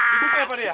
dibuka ya pak dek ya